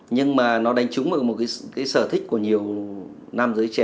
nhưng mà nó đánh trúng vào một cái sở thích của nhiều nam giới trẻ